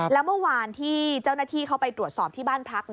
แล้วเมื่อวานที่เจ้าหน้าที่เข้าไปตรวจสอบที่บ้านพัก